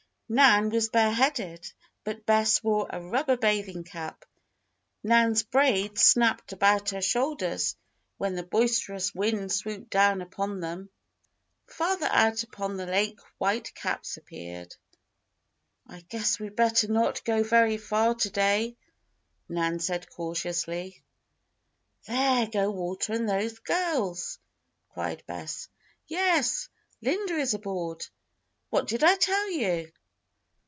Nan was bare headed, but Bess wore a rubber bathing cap. Nan's braids snapped about her shoulders when the boisterous wind swooped down upon them. Farther out upon the lake white caps appeared. "I guess we'd better not go very far to day," Nan said cautiously. "There go Walter and those girls!" Bess cried. "Yes! Linda is aboard. What did I tell you?"